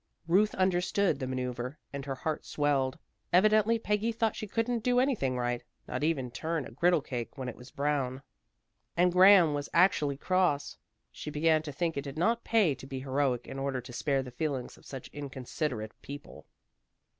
Ruth understood the manoeuvre, and her heart swelled. Evidently Peggy thought she couldn't do anything right, not even turn a griddle cake when it was brown. And Graham was actually cross. She began to think it did not pay to be heroic in order to spare the feelings of such inconsiderate people.